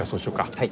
はい。